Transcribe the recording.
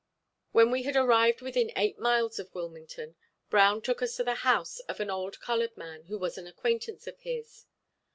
When we had arrived within eight miles of Wilmington, Brown took us to the house of an old colored man who was an acquaintance of his.